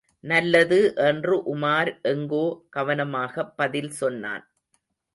நல்லது என்று உமார் எங்கோ கவனமாகப் பதில் சொன்னான்.